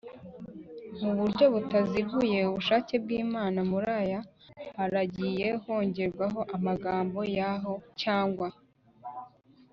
Mu buryo butaziguye ubushake bw imana muri aya haragiye hongerwaho amagambo yah cyangwa